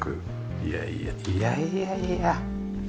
いやいやいやいやいや。